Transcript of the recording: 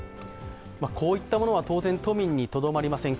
こういったものは当然、都民にとどまりません。